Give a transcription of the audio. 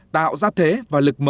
tạo ra thế và lực mở